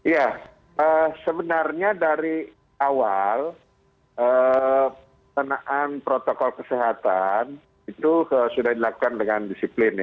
ya sebenarnya dari awal penaan protokol kesehatan itu sudah dilakukan dengan disiplin